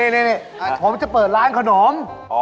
นี่ผมจะเปิดร้านขนม